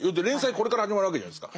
これから始まるわけじゃないですか。